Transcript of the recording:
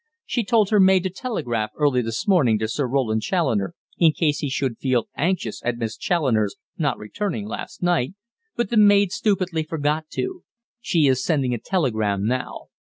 She told her maid to telegraph early this morning to Sir Roland Challoner, in case he should feel anxious at Miss Challoner's not returning last night, but the maid stupidly forgot to. She is sending a telegram now.